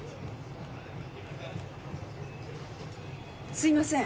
すいません。